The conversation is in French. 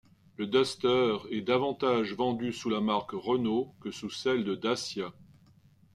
Le Duster est davantage vendu sous la marque Renault que sous celle de Dacia.